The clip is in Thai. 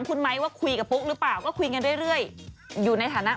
คุยกับปุ๊กหรือไม่